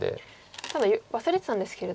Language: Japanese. ただ忘れてたんですけれども。